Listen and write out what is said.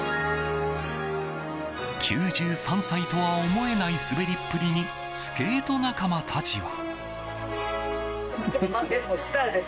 ９３歳とは思えない滑りっぷりにスケート仲間たちは。